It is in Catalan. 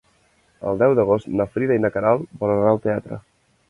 El deu d'agost na Frida i na Queralt volen anar al teatre.